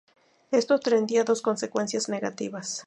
Esto tendría dos consecuencias negativas.